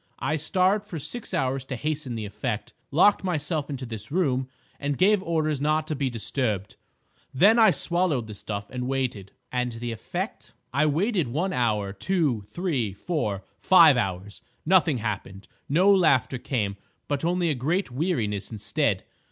I starved for six hours to hasten the effect, locked myself into this room, and gave orders not to be disturbed. Then I swallowed the stuff and waited." "And the effect?" "I waited one hour, two, three, four, five hours. Nothing happened. No laughter came, but only a great weariness instead.